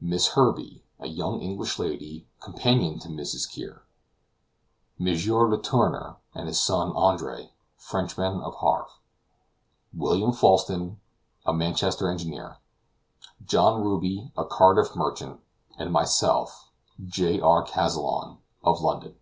Miss Herbey, a young English lady, companion to Mrs. Kear. M. Letourneur and his son Andre, Frenchmen, of Havre. William Falsten, a Manchester engineer. John Ruby, a Cardiff merchant; and myself, J. R. Kazallon, of London.